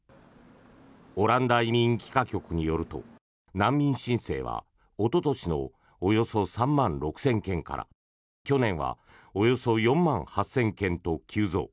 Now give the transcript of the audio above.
オランダ移民帰化局によると難民申請はおととしのおよそ３万６０００件から去年はおよそ４万８０００件と急増。